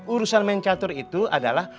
urusan main catur itu adalah